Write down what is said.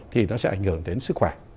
thì nó sẽ ảnh hưởng đến sức khỏe